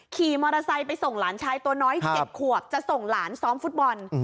ขี่มอเตอร์ไซค์ไปส่งหลานชายตัวน้อย๗ขวบจะส่งหลานซ้อมฟุตบอล